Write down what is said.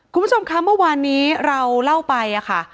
คุณผู้ชมคะเมื่อวานนี้เราเล่าไปค่ะ